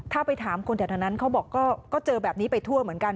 ถ้าไปถามคนแถวนั้นเขาบอกก็เจอแบบนี้ไปทั่วเหมือนกัน